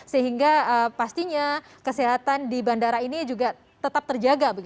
sehingga pastinya kesehatan di bandara ini juga tetap terjaga